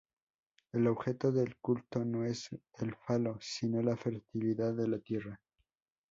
El objeto de culto no es el falo, sino la fertilidad de la tierra.